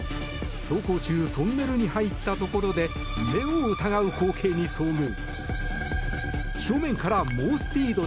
走行中トンネルに入ったところで目を疑う光景に遭遇。